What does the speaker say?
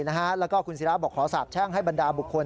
แล้วก็คุณศิราบอกขอสาบแช่งให้บรรดาบุคคล